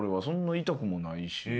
そんな痛くもないし。